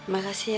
terima kasih pak